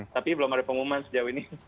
tapi belum ada pengumuman sejauh ini